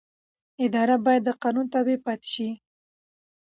اداره باید د قانون تابع پاتې شي.